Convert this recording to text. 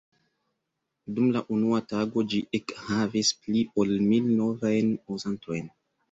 Dum la unua tago ĝi ekhavis pli ol mil novajn uzantojn.